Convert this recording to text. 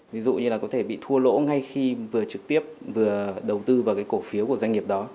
ví dụ như là có thể bị thua lỗ ngay khi vừa trực tiếp vừa đầu tư vào cái cổ phiếu của doanh nghiệp đó